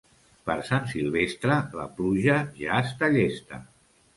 Per Sant Silvestre, la pluja ja està llesta.